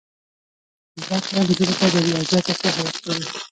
زده کړه نجونو ته د ریاضیاتو پوهه ورکوي.